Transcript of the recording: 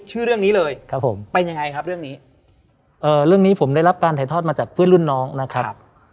ชื่อเรื่องนี้เลยครับผมเป็นยังไงครับเรื่องนี้เรื่องนี้ผมได้รับการถ่ายทอดมาจากเพื่อนรุ่นน้องนะครับ